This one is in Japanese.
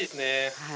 はい。